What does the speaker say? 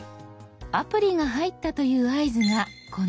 アプリが入ったという合図がこの「開く」。